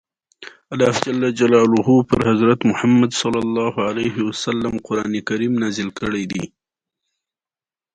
د غنمو لو په لور کیږي.